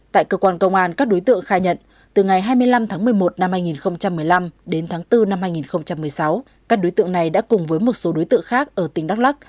tại cơ quan công an các đối tượng khai nhận từ ngày hai mươi năm tháng một mươi một năm hai nghìn một mươi năm đến tháng bốn năm hai nghìn một mươi sáu các đối tượng này đã cùng với một số đối tượng khác ở tỉnh đắk lắc